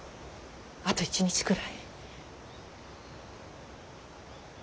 あと１日くらい。